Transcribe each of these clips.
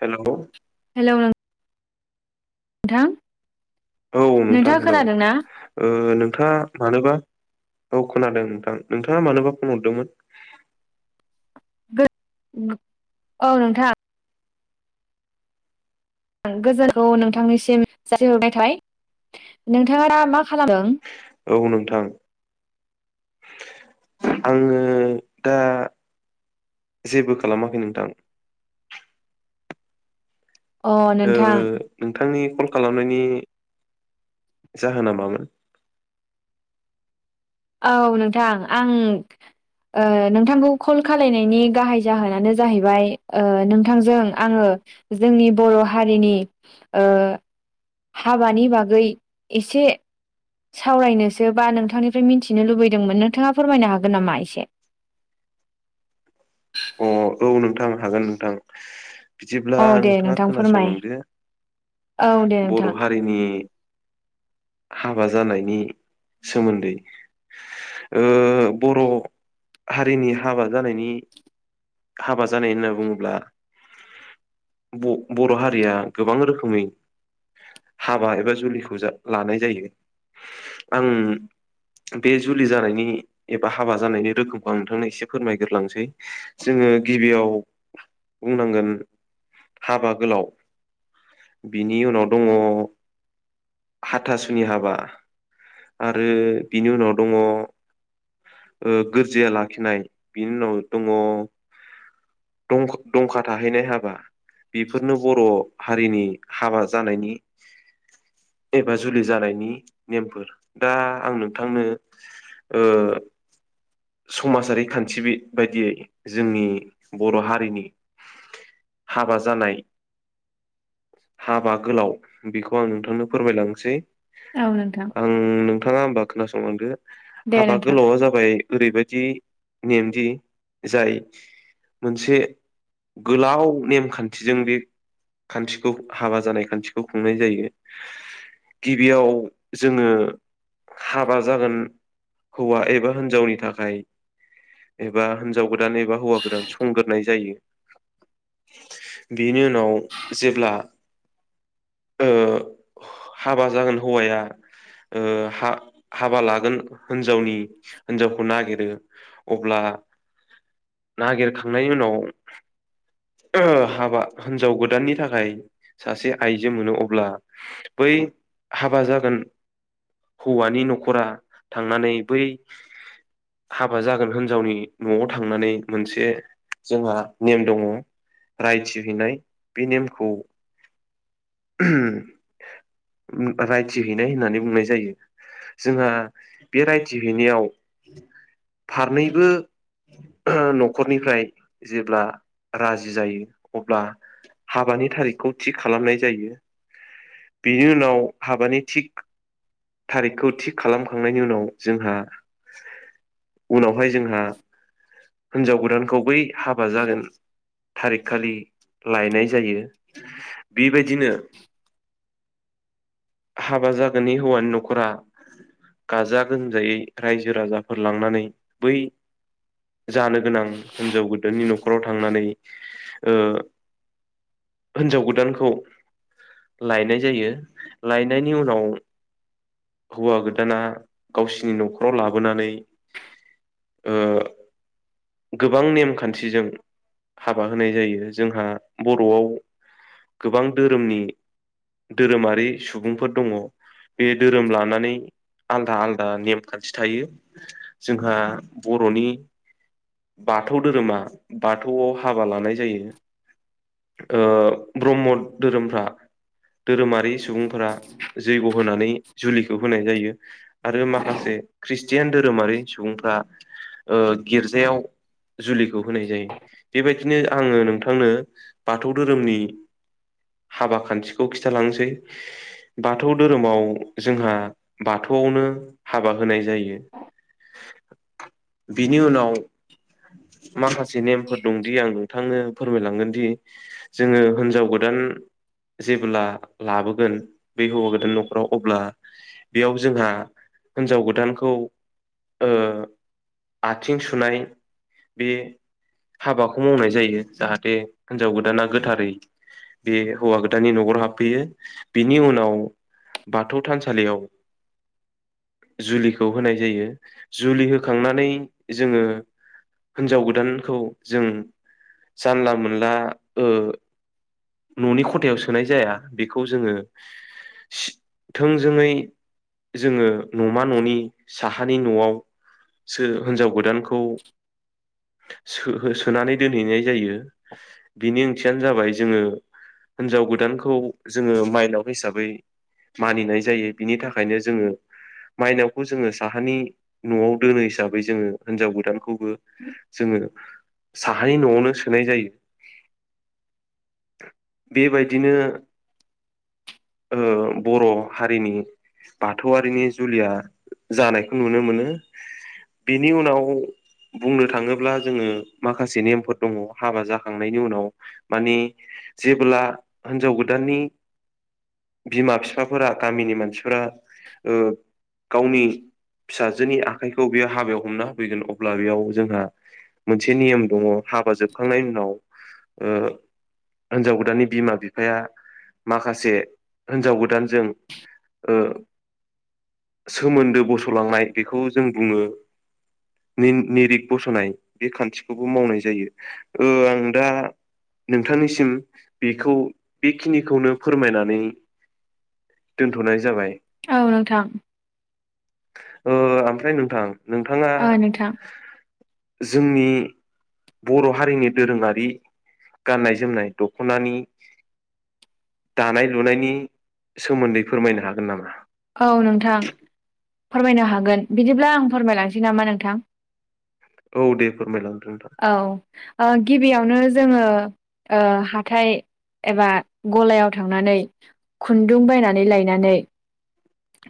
हेल' नोथां औ नोंथां हेलौ ओ नोंथाङा मानोबा औ खोनादों नोंथां नोंथाङा मानोबा फन हरदोंमोन? औ नोंथां गोजोनखौ नोंथांनिसिम जासिहरनाय थाबाय नोंथाङा दा मा खालामदों? औ नोंथां आंङो दा जेबो खालामाखै नोंथां अ ओ नोंथां नोंथांनि कल खालामनायनि जाहोना मामोन? औ नोंथां आं ओ नोंथांखौ कल खालायनायनि गाहाय जाहोनानो जाहैबाय ओ नोंथांजों आंङो जोंनि बर' हारिनि ओ हाबानि बागै एसे सावरायनोसो बा नोंथांनिफ्राय मिथिनो लुबैदोंमोन नोंथाङा फोरमायनो हागोन नामा एसे [inaudible] अ औ नोंथां हागोन नोंथां बिदिब्ला अ दे नोंथाङा नोंथां फोरमाय खोनासंलांदो औ दे नोंथां बर' हारिनि [inaudible] हाबा जानायनि सोमोन्दै ओ बर' हारिनि हाबा जानायनि हाबा जानाय होनना बुङोब्ला ब-बर' हारिया गोबां रोखोमै हाबा एबा जुलिखौ लानाय जायो आं बे जुलि जानायनि एबा हाबा जानायनि रोखोमखौ आं नोंथांनो एसे फोरमायग्रोलांसै जोंङो गिबियाव बुंनांगोन हाबा गोलाव बिनि उनाव दंङ हाथासुनि हाबा आरो बिनि उनाव दंङ ओ गोरजिया लाखिनाय बिनि उनाव दंङ [inaudible] दंखा दंखा थाहैनाय हाबा बेफोरनो बर' हारिनि हाबा जानायनि श एबा जुलि जानायनि नेम फोर दा आं नोंथांनो ओ समाजारि खान्थि बि बायदियै जोंनि बर' हारिनि हाबा जानाय हाबा गोलाव बेखौ आं नोंथांनो फोरमायलांनोसै। औ नोंथां आं नोंथांङा होमबा खोनासंलांदो दे हाबा नोंथां गोलावा जाबाय ओरैबायदि नेम दि जाय मोनसे गोलाव नेम खान्थिजों बे खान्थिखौ हाबा जानाय खान्थिखौ खुंनाय जायो। गिबियाव जोंङो हाबा जागोन हौवा एबा हिनजावनि थाखाय एबा जाव गोदान एबा हौवा गोदान संग्रोनाय जायो। बेनि उनाव जेब्ला ओ हाबा जागोन हौवाया ‌ ओ हा हाबा लागोन हिनजावनि हिनजावखौ नागिरो अब्ला नागिर खांनायनि उनाव [inaudible] ओ हाबा हिनजाव गोदाननि थाखाय सासे आइजो मोनो अब्ला बै हाबा जागोन हौवानि न'खरा थांनानै बै हाबा जागोन होनजावनि न'आव थांनानै मोनसे जोंहा नेम दंङ। रायथि हैैनाय बे नेम खौ ओम रायथि हैैनाय होननानै बुंनाय जायो। जोंहा बे रायथि हैैनायाव फारनैबो न'खर निफ्राय जेब्ला राजि जायो अब्ला हाबानि थारिख खौ थि खालामनाय जायो। बिनि उनाव हाबानि थिग थारिख खौ थि खालाम खांनायनि उनाव जोंहा उनावहाय जोंहा हिन्जाव गोदानखौ बै हाबा जागोन थारिख खालि लायनाय जायो बे बायदिनो [inaudible] हाबा जागोननि हौवानि न'खरा गाजा गोमजायै रायजो राजाफोर लांनानै बै जानो गोनां हिनजाव गोदाननि न'ख खराव थांनानै ओ हिनजाव गोदानखौ लायनाय जायो। लायनायनि उनाव हौवा गोदाना गावसिनि न'खराव लाबोनानै ओ गोबां नेम खान्थिजों हाबा होनाय जायो, जोंहा बर'आव गोबां धोरोमनि धोरोमारि सुबुंफोर दंङ। बे धोरोम लानानै आलदा आलदा नेम खान्थि थायो जोंहा बर'नि बाथौ धोरोमा बाथौआव हाबा लानाय जायो। ओ ब्रह्म धोरोमफ्रा धोरोमारि सुबुंफोरा जैग' होनानै जुलिखौ होनाय जायो। आरो माखासे ख्रिषटियान धोरोमारि सुबुंफ्रा ओ गिर्जायाव जुलिखौ होनाय जायो बेबायदिनो आङो नोंथांनो बाथौ धोरोमनि हाबा खान्थिखौ खिथालांनोसै बाथौ धोरोमाव जोंहा बाथौ खौनो हाबा होनाय जायो। बिनि उनाव माखासे नेमफोर दंदि आं नोंथांनो फोरमायलांगोन दि जोङो हिनजाव गोदान जेब्ला लाबोगोन बे हौवा गोदान न'खराव अब्ला बेयाव जोंहा हिन्जाव गोदानखौ ओ आथिं सुनाय बे हाबाखौ मावनाय जायो जाहाथे हिनजाव गोदाना गोथारै बे हौवा गोदानानि न'खराव हाबफैयो बिनि उनाव बाथौ थानसालियाव जुलिखौ होनाय जायो। जुलि होखांनानै जोङो हिनजाव गोदानखौ जों जानला मोनला ओ न'नि खथायाव सोनाय जाया बेखौ जोङो थोंजोङै जोङो न'मा न'नि साहानि न'आव सो हिनजाव गोदानखौ [inaudible] सो हो सोनानै दोनहैनाय जायो। बिनि ओंथियानो जाबाय जोङो हिनजाव गोदानखौ जोङो माइनाव हिसाबै मानिनाय जायो बिनि थाखायनो जोङो माइनावखौ जोङो साहानि न'आव दोनो हिसाबै जोङो हिनजाव गोदानखौ जोङो साहानि न'आवनो सोनाय जायो। बेबायदिनो ओ बर' हारिनि बाथौआरिनि जुलिया जानायखौ नुनो मोनो बेनि उनाव बुंनो थाङोब्ला जोङो माखासे नेमफोर दङ हाबा जाखांनायनि उनाव माने जेब्ला हिन्जाव गोदाननि [inaudible] बिमा फिफाफोरा गामिनि मानसिफोरा ओ गावनि फिसाजोनि आखाइखौ बेयो हाबायाव हमना होफैगोन अ- ब्ला बेयाव जोंहा मोनसे नियम दङ हाबा जोबखांनायनि उनाव ओ हिन्जाव गोदाननि बिमा बिफाया माखासे हिन्जाव गोदानजों ओ। सोमोन्दो बस'लांनाय बेखौ जों बुङो। नि-निरिग बस'नाय बे खान्थिखौबो मावनाय जायो ओ आं दा नोंथांनिसिम बेखौ बेखिनिखौनो फोरमायनानै दोनथ'नाय जाबाय। औ नोंथां। ओ ओमफ्राय नोंथां नोंथाङा ओ नोंथां जोंनि बर' हारिनि दोरोङारि गाननाय जोमनाय दख'नानि दानाय लुनायनि सोमोन्दै फोरमायनो हागोन नामा? औ नोंथां फोरमायनो हागोन बिदिब्ला आं फोरमायलांसै नामा नोंथां? औ दे फोरमायलांदो नोंथां। औ ओ गिबियावनो जोङो ओ हाथाय एबा गलायाव थांनानै खुन्दुं बायनानै लायनानै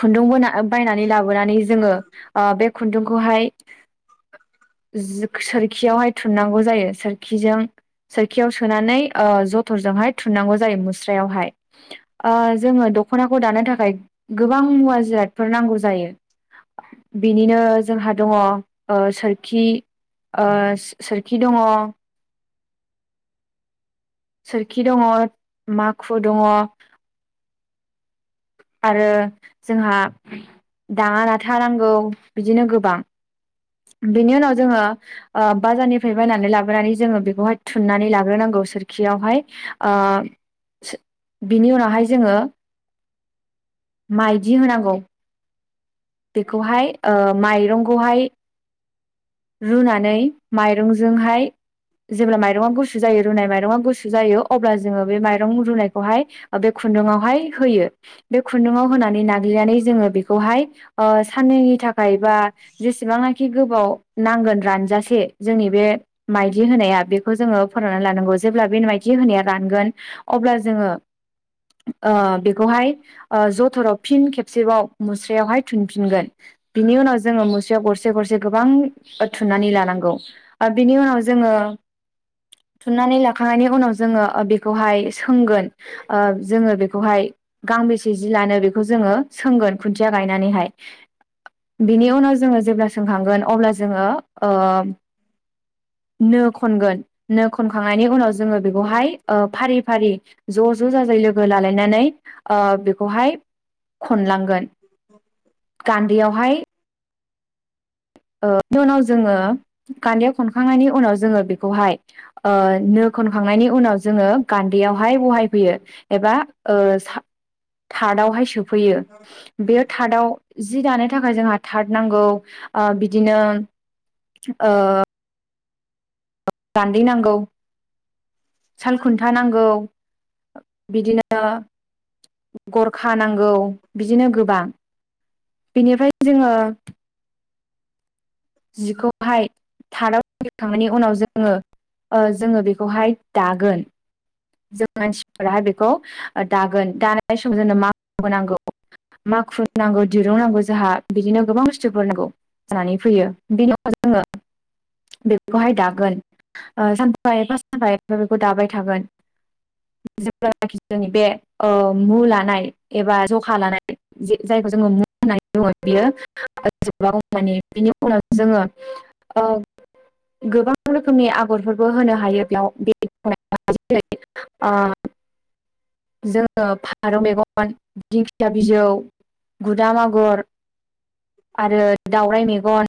खुन्दुं बोना बायनानै लाबोनानै जोङो ओ-बे खुन्दुंखौहाय, [inaudible] जि-सोरखियावहाय थुननांगौ जायो सोरखिजों सोरखियाव सोनानै ओ-जथरजों हाय थुननांगौ जायो मुस्रायावहाय ओ-जोङो दख'नाखौ दानो थाखाय गोबां मुवा जिरादफोर नांगौ जायो। बिनिनो जोंहा दङ ओ-सोरखि। ओ-सोरखि दङ। सोरखि दङ माखु दङ। आरो जोंहा दाङा ना थाानांगौ बिदिनो गोबां। बेनि उनाव जोङो ओ-बाजारनिफ्राय बायनानै लाबोनानै जोङो बेखौहाय थुननानै लाग्रोनांगौ। सोरखियावहाय ओ-बिनि उनावहाय जोङो। माइदि होनांगौ। बेखौहाय ओ-माइरंखौहाय रुनानै माइरंजोंहाय। जेब्ला माइरंआ गुसु जायो रुनाय माइरंआ गुसु जायो अब्ला जोङो बे माइरं रुनायखौहाय ओ-बे खु - खुन्दुंङावहाय होयो बे। खुन्दुङाव होनानै नाग्लिनानै जोङो बेखौहाय ओ-साननैनि थाखाय बा जेसेबांखि गोबाव नांगोन रानजासे जोंनि बे माइदि होनाया बेखौ जोङो फोराननानै लानांगौ। जेब्ला बे माइथि होनाया रानगोन अब्ला जोङो ओ-बेखौहाय ओ-जथराव फिन खेबसेबाव मुस्रायावहाय थुनफिनगोन बिनि उनाव जोङो मुसौ गरसे गरसे गोबां थुननानै लानां -' गौ। ओ-बिनि उनाव जोङो। थुननानै लाखांनायनि उनाव जोङो ओ-बेखौहाय सोंगोन जोङो बेखौहाय। गांबेसे जि लानो बेखौ जोङो सोंगोन खुन्थिया गायनानैहाय बिनि उनाव जोङो जेब्ला स सोंखांगोन अब्ला जोङो ओ नो खनगोन नो खनखांनायनि उनाव जोङो बेखौहाय फारि फारि ज' ज' ज'ज'जाजाय लोगो लालायनानै हाय खनलांगोन गान्दैयावहाय। ओ-उनाव जोङो गान्दया खनखांनायनि उनाव जोङो बेखौहाय ओ-नो खनखांनायनि उनाव जोङो गान्दैयावहाय बहाय फैयो एबा ओ-सा थार्दावहाय सोब फैयो बेयो थार्दआव जि दानो थाखाय जोंहा थार्द नांगौ। ओ-बिदिनो ओ- गान्दै नांगौ साल खुन्था नांगौ। बिदिनो गरखा नांगौ बिदिनो गोबां। बेनिफ्राय जोङो। जिखौहाय थार्दाव फखांनायनि उनाव जोङो। ओ-जोङो बेखौहाय दागोन। जों मानसिफोराहाय बेखौ ओ-दागोन दानाय समाव जोंनो मा [unintelligible] नांगौ। माखुन नांगौ दिरुं नांगौ जोंहा बिदिनो गोबां बुस्थुफोर नांगौ जानानै फैयो। बिनाव जोङो। बेखौहाय दागोन ओ-सानफा एफा सानफा एफा बेखौ दाबाय थागोन। जेब्लानखि जोंनि बे ओ-मु लानाय एबा जखा लानाय जाय मु होननानै बुङो बियो [inaudible] माने उनावजोङो ओ- गोबां रोखोमनि आगरफोरबो होनो हायो बेयाव बे [unintelligible] अ जोङो फारौ मेगन दिंखिया बिजौ। गुदाम आगर आरो दावराय मेगन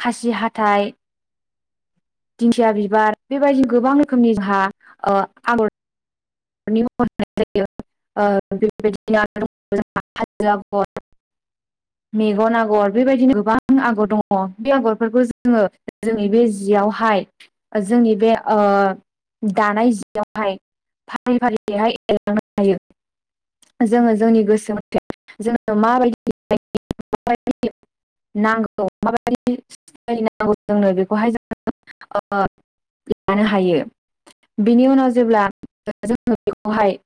खासि हाथाय दिंखया बिबार बेबायदि गोबां रोखोमनि जोंहा ओ आगर रनि महर हो ना य जा यो ओ बेफोरबायदिनो दं जों हा हा हाजो आगर मेगन आगर बेबायदिनो गोबां आगर दंङ बे आगरफोरखौ जोंङो जोंनि बे जियाव हा हाय जोंनि बे ओ दानाय जियावहाय हा फारि फारि बेहाय एरलांनो हायो। जोंङो जोंनि गोसो मथे जोंङो माबायदि [unintelligible] नांगौ माबायदि नांगौ जोंनो बेखौहाय जों ओ लानो हायो बिनि उनाव जेब्ला जोंङो बेखौहाय